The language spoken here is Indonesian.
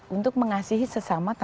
untuk menghasilkan cinta dan dalamnya